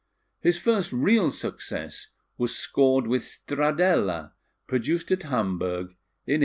His first real success was scored with Stradella, produced at Hamburg in 1844.